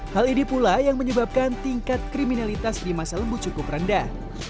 hal ini pula yang menyebabkan tingkat kriminalitas di masa lembut cukup rendah